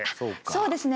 そうですね